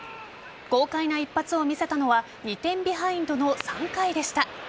豪快な一発を見せたのは２点ビハインドの３回でした。